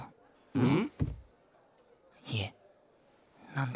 うん。